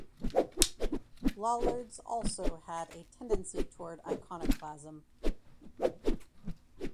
Lollards also had a tendency toward iconoclasm.